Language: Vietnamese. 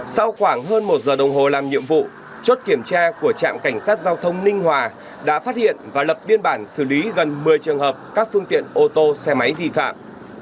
sau khoảng hơn một giờ đồng hồ làm nhiệm vụ chốt kiểm tra của trạm cảnh sát giao thông ninh hòa đã phát hiện và lập biên bản xử lý gần một mươi trường hợp các phương tiện ô tô xe máy vi phạm